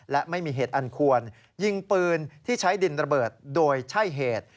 และไม่มีเหตุอันควรยิงปืนที่ใช้ดินระเบิดโดยใช่เหตุ